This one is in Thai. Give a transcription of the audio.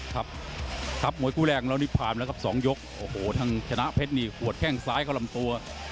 ครับครับมวยคู่แรกของเรานี่ผ่านแล้วครับสองยกโอ้โหทางชนะเพชรนี่หัวแข้งซ้ายเข้าลำตัว